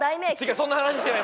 そんな話してない。